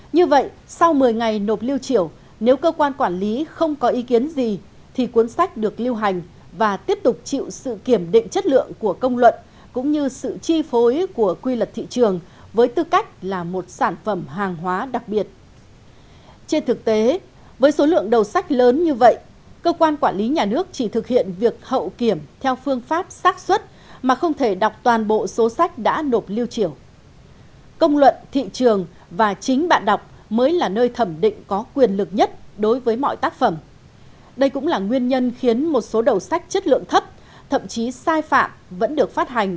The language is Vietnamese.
như vậy sau một mươi ngày nộp lưu triệu cơ quan quản lý nhà nước phải nộp lưu triệu cho cơ quan quản lý nhà nước về hoạt động xuất bản chậm nhất là một mươi ngày trước khi phát hành